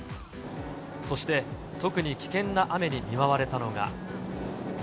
そして、特に危険な雨に見舞われたのが。